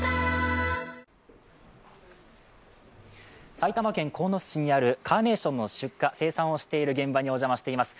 埼玉県鴻巣市にあるカーネーションの出荷・生産をしている現場にお邪魔しています。